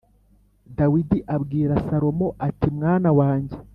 Dawidi abwira salomo ati mwana wanjye